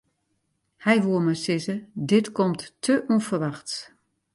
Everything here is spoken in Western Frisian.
Hy woe mar sizze: dit komt te ûnferwachts.